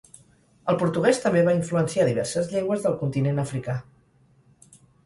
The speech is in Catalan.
El portuguès també va influenciar diverses llengües del continent africà.